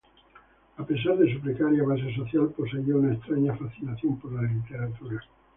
A pesar de su precaria base social, poseía una extraña fascinación por la literatura.